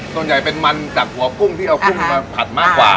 ส่วนใหญ่เป็นมันจากหัวกุ้งที่เอากุ้งมาผัดมากกว่า